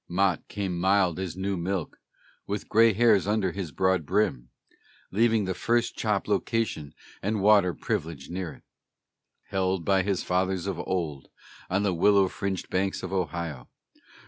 Mott came mild as new milk, with gray hairs under his broad brim, Leaving the first chop location and water privilege near it, Held by his fathers of old on the willow fringed banks of Ohio.